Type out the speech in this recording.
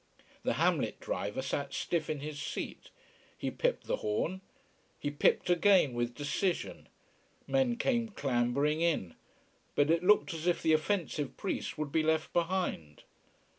The Hamlet driver sat stiff in his seat. He pipped the horn. He pipped again, with decision. Men came clambering in. But it looked as if the offensive priest would be left behind.